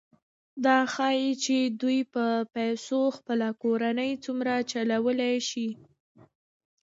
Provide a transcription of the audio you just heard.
دا ښيي چې دوی په پیسو خپله کورنۍ څومره چلولی شي